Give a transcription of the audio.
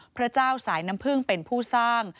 พระเจ้าสายน้ำพึ่งเป็นผู้สร้าง